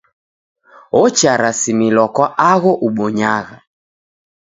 Ocharasimilwa kwa agho ubonyagha.